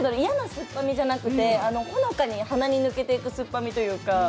嫌な酸っぱみじゃなくて、ほのかに鼻に抜けていく酸っぱみというか。